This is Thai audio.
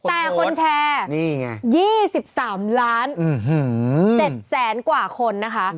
แต่คนแชร์๒๓๗๐๐๐๐๐กว่าคนนะคะ